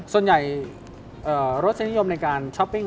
ส่วนใหญ่รสนิยมในการช้อปปิ้ง